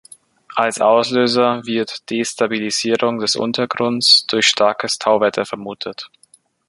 Als Auslöser wird Destabilisierung des Untergrunds durch starkes Tauwetter vermutet.